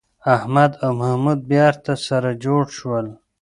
احمد او محمود بېرته سره جوړ شول.